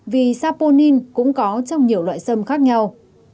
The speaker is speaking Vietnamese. vì saponin cũng có trong nhiều loại sâm khác nhau